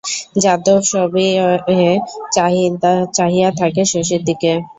যাদব সবিয়য়ে চাহিয়া থাকে শশীর দিকে।